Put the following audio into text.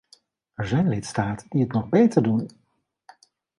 Er zijn lidstaten die het nog beter doen.